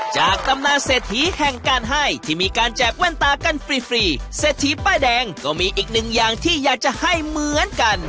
ตำนานเศรษฐีแห่งการให้ที่มีการแจกแว่นตากันฟรีฟรีเศรษฐีป้ายแดงก็มีอีกหนึ่งอย่างที่อยากจะให้เหมือนกัน